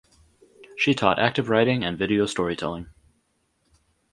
She taught active writing and video storytelling.